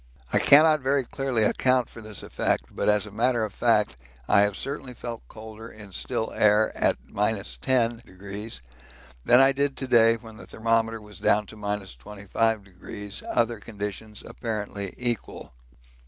I cannot very clearly account for this effect, but as a matter of fact I have certainly felt colder in still air at 10° than I did to day when the thermometer was down to 25°, other conditions apparently equal.